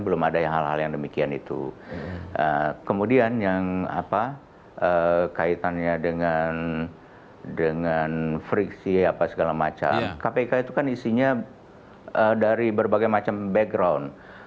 belum ada yang hal hal yang demikian itu ya jadi kalau di masa masa kita dulu kan belum ada yang hal hal yang demikian itu ya jadi kalau di masa masa kita dulu kan belum ada yang hal hal yang demikian itu